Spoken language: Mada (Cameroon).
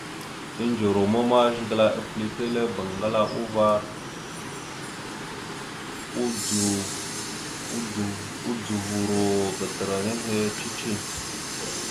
Indze ruma ma Zigəla epilire bangəla uvar a, uɗuva gadəra nehe cici.